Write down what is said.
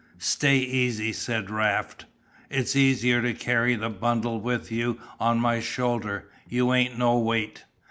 "Stay easy," said Raft. "It's easier to carry the bundle with you on my shoulder, you ain't no weight."